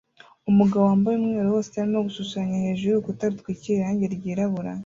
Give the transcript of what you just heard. Umugabo wambaye umweru wose arimo gushushanya hejuru y'urukuta rutwikiriye irangi ryirabura